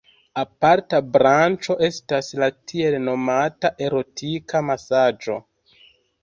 Aparta branĉo estas la tiel nomata erotika masaĝo.